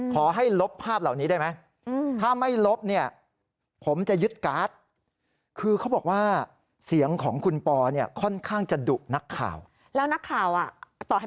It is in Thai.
ขอให้ลบภาพเหล่านี้ได้ไหมถ้าไม่ลบผมจะยึดการ์ด